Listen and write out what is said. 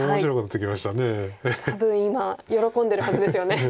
多分今喜んでるはずですよね。